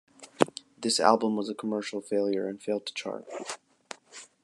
This album was a commercial failure and failed to chart.